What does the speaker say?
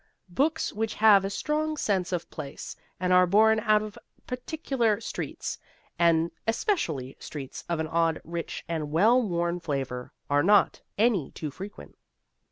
Books which have a strong sense of place, and are born out of particular streets and especially streets of an odd, rich, and well worn flavour are not any too frequent.